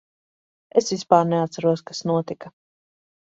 Es vispār neatceros, kas notika.